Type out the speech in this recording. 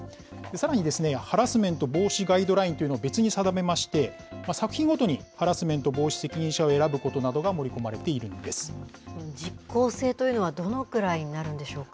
さらに、ハラスメント防止ガイドラインというのを別に定めまして、作品ごとにハラスメント防止責任者を選ぶことなどが盛り込まれて実効性というのは、どのくらいになるんでしょうか。